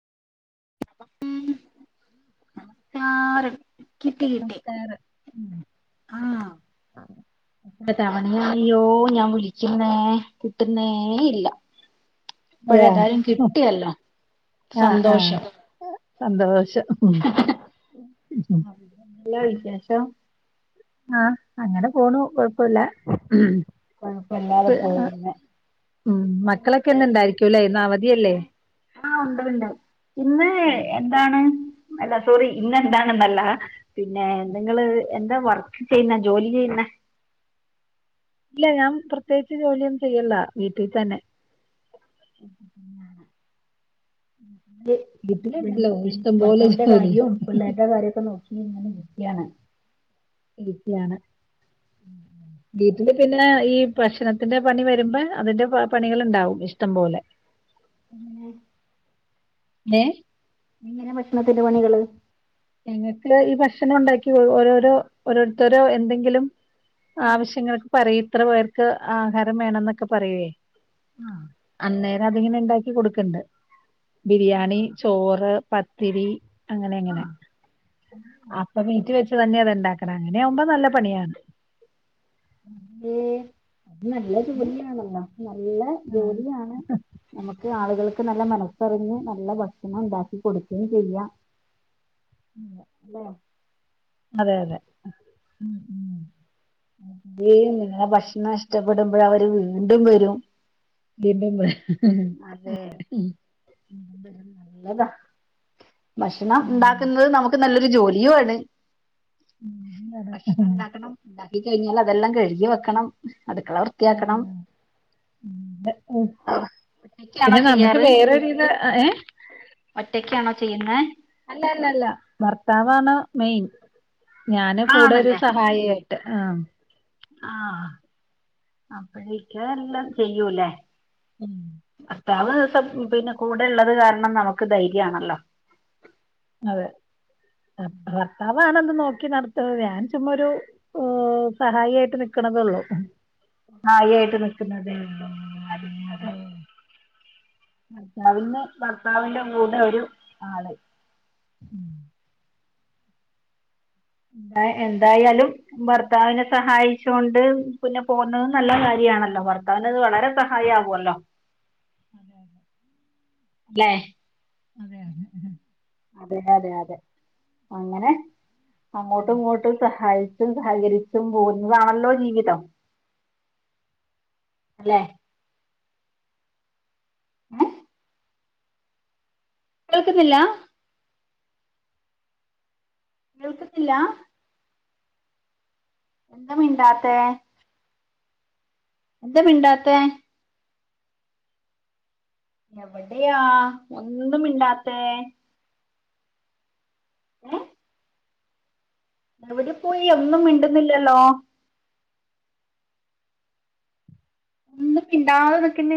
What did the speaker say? ഉം കാറെ [unintelligible] കിട്ടി കിട്ടി. ഉം ഉം ആഹ് എത്ര തവണയാ യ്യോ ഞാൻ വിളിക്കുന്നേ കിട്ടുന്നേഇല്ല. ഇപ്പോഴേതായാലും അതെയ കിട്ടിയല്ലോ ആഹ് ആഹ് സന്തോഷം സന്തോഷം ഉം എന്നാ വിശേഷം ആഹ് അങ്ങനെ പോണു കൊഴപ്പില്ല കുഴപ്പല്ലാതെ പോകുന്നു ഉം മക്കളൊക്കെ ന്ന് ഇണ്ടായിരിക്കുംല്ലേ ഇന്ന് അവധിയല്ലേ ആഹ് ഉണ്ട് ഉണ്ട് ഇന്ന് എന്താണ് അല്ല സോറി ഇന്നെന്താണെന്നല്ല പിന്നെ നിങ്ങള് എന്താ വർക്ക് ചെയ്യുന്നേ. ജോലി ചെയ്യുന്നേ. ഇല്ല ഞാൻ പ്രത്യേയിച്ച് ജോലിയൊന്നും ചെയ്യ് ല്ല വീട്ടിൽ തന്നെ.. ഉം ഉം [unintelligible] വീട്ടിലുണ്ടല്ലോ ഇഷ്ടം പോലെ ഭർത്താവിന്റെ ജോലി കാര്യോം പിള്ളേരുടെ കാര്യോ ഒക്കെ നോക്കിങ്ങനെരി ക്ക്യാണ് ഇരിക്ക്യാണ് ഉം ഉം വീട്ടില് പിന്നെ ഈ ഭക്ഷണത്തിന്റെ പണി വരുമ്പോ അതിന്റെ പണികൾ ഉണ്ടാവും ഇഷ്ടം പോലെ അങ്ങനെ ഏഹ് ഇങ്ങനെ ഭക്ഷണത്തിന്റെ പണികള് ഞങ്ങൾക്ക് ഈ ഭക്ഷണം ഉണ്ടാക്കി ഓരോരോ ഓരോരുത്തരോ എന്തെങ്കിലും ആവശ്യങ്ങൊക്കെ പറയും ഇത്ര പേർക്ക് ആഹാരം വേണം എന്നൊക്കെ പറയുവേ ആഹ് അന്നേരം അതിങ്ങനെ ഉണ്ടാക്കി കൊടുക്കണ്ട് ബിരിയാണി ചോറ് പത്തിരി അങ്ങനെ എങ്ങനെ ഉം അപ്പൊ വീറ്റ് വെച്ച് തന്നെ അത് ഉണ്ടാക്കണം അങ്ങനെയാവുമ്പോ നല്ല പണിയാണ് അതെ അത് നല്ല ഏ ജോലിയാണല്ലോ നല്ല ആഹ് ജോലിയാണ് നമുക്ക് ആളുകൾക്ക് നല്ല മനസ്സറിഞ്ഞ് നല്ല ഭക്ഷണം ഉണ്ടാക്കി കൊടുക്കുകയും ചെയ്യാം അല്ലെ അതെ അതെ ഉം ഉം അത നിങ്ങളെ ഭക്ഷണം ഇഷ്ടപ്പെടുമ്പോൾ അവര് വീണ്ടും വരും അതെ [unintelligible] ഭക്ഷണം ഉം ഉണ്ടാക്കുന്നത് നമുക്ക് നല്ല ജോലിയുംണ് ഉം, അതെ ഭക്ഷണം ഉണ്ടാക്കണം ഉണ്ടാക്ക കഴിഞ്ഞാൽ അതെല്ലാം കഴുകി വെക്കണം അടുക്കള വൃത്തിയാക്കണം ഒറ്റക്കാണോ പിന്നെ നമുക്ക് ചെയ്യാറ് വേറരി ഇത് ഏഹ് ഒറ്റക്കാണോ ചെയ്യുന്നെ അല്ല അല്ല അല്ല ഭർത്താവാണ് മെയിൻ ഞാന് കൂടെ ഒരു ആണല്ലേ സഹായേ ആഹ് ആഹ് അപ്പഴേക്ക എല്ലാം ചെയ്യൂല്ലേ ഉം ഭർത്താവ് ദി പിന്നെ കൂടെ ഉള്ളത് കാരണം നമുക്ക് ധൈര്യ ആണല്ലോ അതെ അഹ് ഭർത്താവണന്ന് നോക്കി നടത്തത് ഞാൻ ചുമ്മാ ഒരു സഹായായിട്ട് നിക്കണതേള്ളൂ ഹായി ആയിട്ട് നിക്കുന്നതേ ഉള്ളോ ആഹ് ഭർത്താവിന്ന് ഭർത്താവിന്റെ കൂടെ ഒരു ആള് ഉം എന്ത എന്തായാലും ഭർത്താവിനെ സഹായിച്ചൊണ്ട് പിന്നെ പോന്നത് നല്ല കാര്യമാണല്ലോ ഭർത്ത അന്ത് വളരെ സഹായ ആകുമല്ലോ [unintelligible] അതെയാണ് അതെ അതെ അതെ അങ്ങനെ അങ്ങോട്ടും ഇങ്ങോട്ടും സഹായിച്ചും സഹകരിച്ചും പോകുന്നതാണല്ലോ ജീവിതം അല്ലേ ഏ? കേൾക്കുന്നില്ല നിൾക്കത്തില്ല എന്ന മിണ്ടാത്തെ എന്താ മിണ്ടാത്ത എവിടെയാ ഒന്നുമിണ്ടാത്ത ഏഹ് എവിടെ പോയി ഒന്നും മിണ്ടുന്നില്ലല്ലോ ഒന്നും മിണ്ടാതെ നിക്കന്നെ